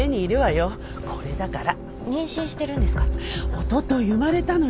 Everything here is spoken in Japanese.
おととい生まれたのよ。